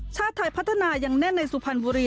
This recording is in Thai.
ชาติไทยพัฒนายังแน่นในสุพรรณบุรี